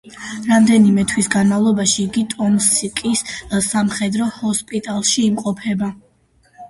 რამდენიმე თვის განმავლობაში იგი ტომსკის სამხედრო ჰოსპიტალში იმყოფება.